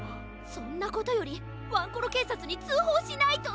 そんなことよりワンコロけいさつにつうほうしないと！